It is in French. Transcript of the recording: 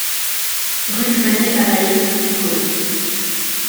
Rue du Panier Caraïbe, Ducos